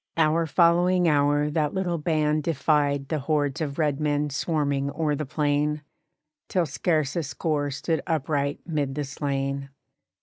Hour following hour that little band defied The hordes of red men swarming o'er the plain, Till scarce a score stood upright 'mid the slain.